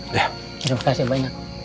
terima kasih banyak